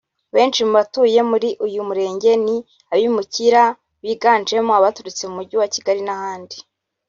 Benshi mu batuye muri uyu murenge ni abimukira biganjemo abaturutse mu Mujyi wa Kigali n’ahandi